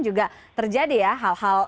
juga terjadi ya hal hal